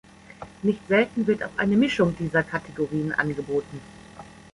Nicht selten wird auch eine Mischung dieser Kategorien angeboten.